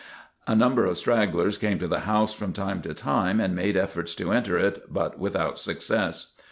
A number of stragglers came to the house from time to time and made efforts to enter it, but without success.